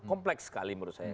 kompleks sekali menurut saya